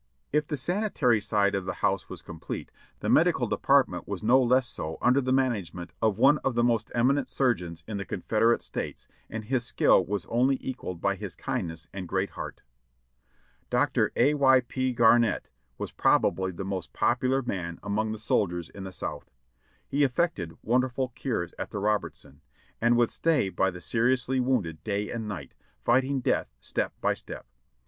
If the sanitary side of the house was complete, the medical de partment was no less so under the management of one of the most eminent surgeons in the Confederate States, and his skill was only equalled by his kindness and great heart. Doctor A. Y. P. Garnett was probably the most popular man 564 JOHNNY REB AND BILLY YANK among the soldiers in the South. He effected wonderful cures at The Robertson, and would stay by the seriously wounded day and night, fighting death step by step.